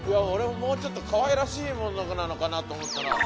もうちょっとかわいらしいものなのかなと思ったらちょっと怖いね。